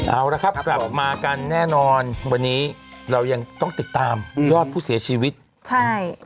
เอาละครับกลับมากันแน่นอนวันนี้เรายังต้องติดตามยอดผู้เสียชีวิตใช่